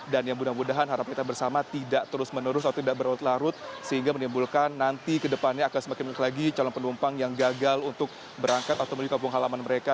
dan yang mudah mudahan harap kita bersama tidak terus menerus atau tidak berlarut larut sehingga menimbulkan nanti ke depannya akan semakin banyak lagi calon penumpang yang gagal untuk berangkat atau menuju kampung halaman mereka